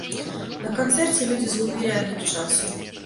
На канцэрце людзі згубілі адлік часу.